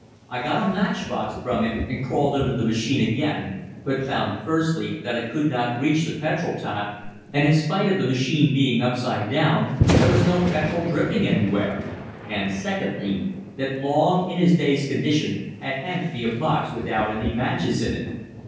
I got a matchbox from him and crawled under the machine again, but found, firstly, that I could not reach the petrol tap, and in spite of the machine being upside down, there was no petrol dripping anywhere; and, secondly, that Long in his dazed condition had handed me a box without any matches in it.